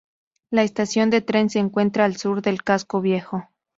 La estación de tren se encuentra al sur del casco viejo.